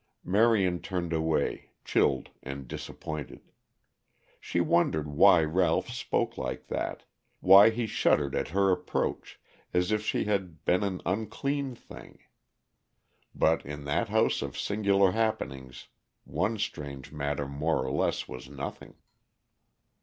Marion turned away, chilled and disappointed. She wondered why Ralph spoke like that, why he shuddered at her approach as if she had been an unclean thing. But in that house of singular happenings one strange matter more or less was nothing.